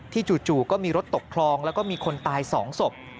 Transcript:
จู่ก็มีรถตกคลองแล้วก็มีคนตาย๒ศพ